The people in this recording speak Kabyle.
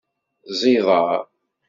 Ẓẓiḍer.